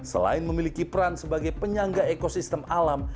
selain memiliki peran sebagai penyangga ekosistem alam